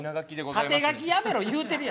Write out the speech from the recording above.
縦書きやめろ言うてるやん。